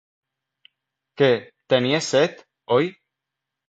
Què, tenies set, oi?